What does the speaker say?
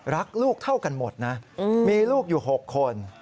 รักลูกเท่ากันหมดนะมีลูกอยู่๖คน